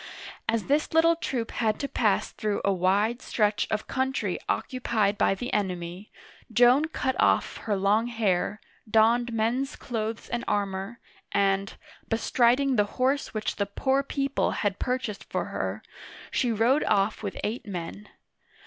As this little troop had to pass through a wide stretch of country occupied by the enemy, Joan cut off her long hair, donned men's clothes and armor, and, bestriding the horse which the poor people had purchased for her use, she rode off with eight men.